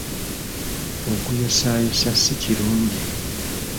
Okuyosaayosa si kirungi.